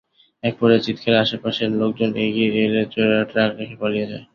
একপর্যায়ে চিৎকারে আশপাশের লোকজন এগিয়ে এলে চোরেরা ট্রাক রেখে পালিয়ে যায়।